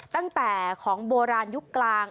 ตั้งแต่ของโบราณยุคกลาง